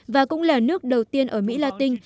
và cũng là nước đầu tiên ở mỹ latin